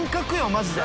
マジで。